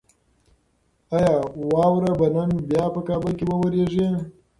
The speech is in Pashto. ایا واوره به نن بیا په کابل کې وورېږي؟